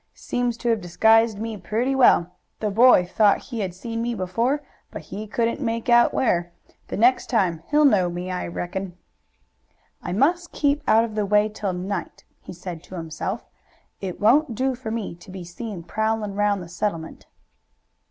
"Seems to have disguised me pretty well. The boy thought he had seen me before, but he couldn't make out where. The next time he'll know me, I reckon. "I must keep out of the way till night," he said to himself. "It won't do for me to be seen prowlin' round the settlement."